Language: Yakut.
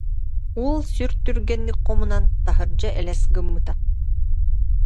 уол сүр түргэнник хомунан, таһырдьа элэс гыммыта